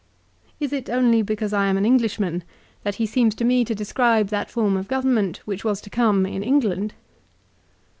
Is it only because I am an Englishman that he seems to me to describe that form of government which was to come in England